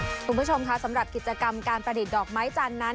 คุณผู้ชมค่ะสำหรับกิจกรรมการประดิษฐ์ดอกไม้จันทร์นั้น